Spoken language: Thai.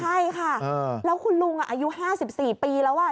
ใช่ค่ะแล้วคุณลุงอายุ๕๔ปีแล้ว